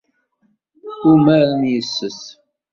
Umaren yes-s.